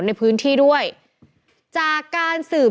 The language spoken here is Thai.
แฮปปี้เบิร์สเจทู